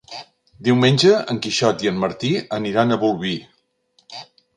Diumenge en Quixot i en Martí aniran a Bolvir.